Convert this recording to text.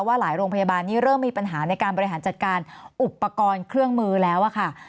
หลายโรงพยาบาลนี้เริ่มมีปัญหาในการบริหารจัดการอุปกรณ์เครื่องมือแล้วค่ะ